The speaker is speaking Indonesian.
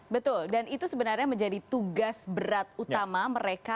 betul dan itu sebenarnya menjadi tugas berat utama mereka